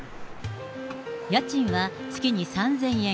家賃は月に３０００円。